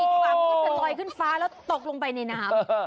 อีกคนนึงกระโดดลอยขึ้นฟ้าแล้วตกลงไปในน้ำ